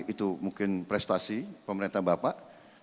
itu mungkin prestasi pemerintah bapak